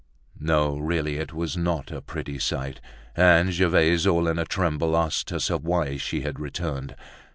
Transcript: No, really, it was not a pretty sight; and Gervaise, all in a tremble, asked herself why she had returned.